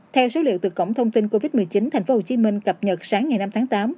theo số liệu từ cổng thông tin covid một mươi chín tp hcm cập nhật sáng ngày năm tháng tám